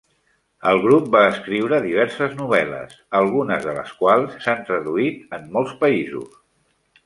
El grup va escriure diverses novel·les, algunes de les quals s'han traduït en molts països.